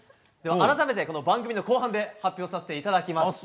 改めて番組の後半で発表させていただきます。